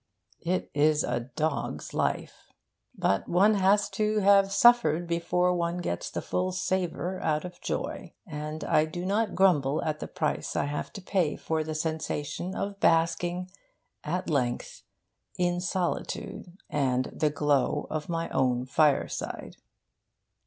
It is a dog's life. But one has to have suffered before one gets the full savour out of joy. And I do not grumble at the price I have to pay for the sensation of basking, at length, in solitude and the glow of my own fireside.